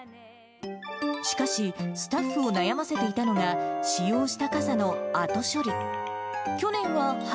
しかし、スタッフを悩ませていたのが、使用した傘の後処理。